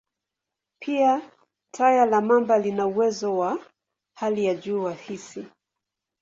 Pia, taya la mamba lina uwezo wa hali ya juu wa hisi.